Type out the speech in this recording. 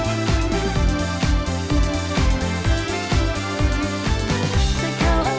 ไอ้เสือขออีกที